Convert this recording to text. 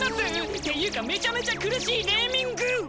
っていうかめちゃめちゃ苦しいネーミング！